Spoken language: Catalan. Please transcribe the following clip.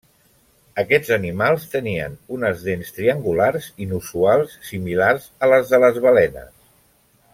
Aquests animals tenien unes dents triangulars inusuals similars a les de les balenes.